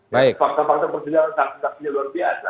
fakta fakta persidangan saksi saksinya luar biasa